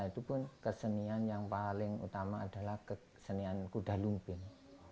itu pun kesenian yang paling utama adalah kesenian kuda lumping